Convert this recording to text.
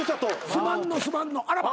すまんの・すまんのあらま。